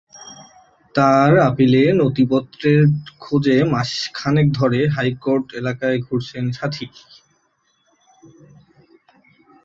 তাঁর আপিলের নথিপত্রের খোঁজে মাস খানেক ধরে হাইকোর্ট এলাকায় ঘুরছেন সাথী।